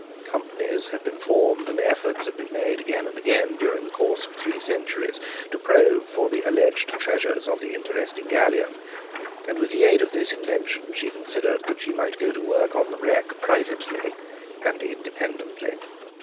Companies had been formed and efforts had been made again and again during the course of three centuries to probe for the alleged treasures of the interesting galleon; with the aid of this invention she considered that she might go to work on the wreck privately and independently.